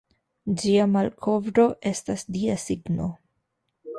Ĝia malkovro estas Dia signo.